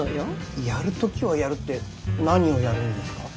やる時はやるって何をやるんですか。